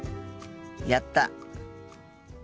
やった。